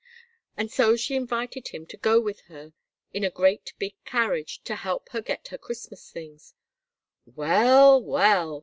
"And so she invited him to go out with her in her great big carriage to help her get her Christmas things." "Well, well!"